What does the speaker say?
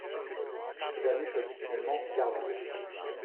Ce dernier choisit finalement Garland.